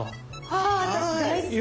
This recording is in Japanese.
あ私大好き！